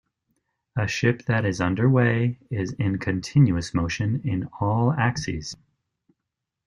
A ship that is underway is in continuous motion in all axes.